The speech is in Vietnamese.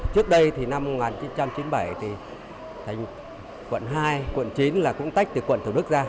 trước đây thì năm một nghìn chín trăm chín mươi bảy thì quận hai quận chín là cũng tách từ quận thủ đức ra